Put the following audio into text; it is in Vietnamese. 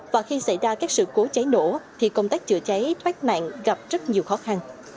và khi xảy ra các sự cố cháy nổ thì công tác chữa cháy thoát nạn gặp rất nhiều khó khăn